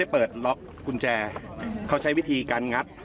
เพราะผมต้องธามทุกวิธีทั้ง